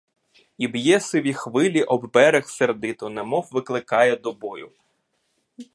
І б'є сиві хвилі об берег сердито, немов викликає до бою.